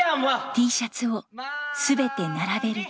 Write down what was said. Ｔシャツを全て並べると。